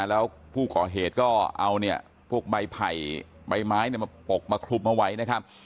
แล้วผู้ก่อเหตุก็เอาเนี่ยพวกใบไผ่ใบไม้มาปกมาคลุมเอาไว้นะครับ